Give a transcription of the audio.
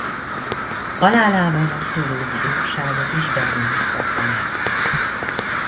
Halálával a Toulouse-i grófságot is Bernát kapta meg.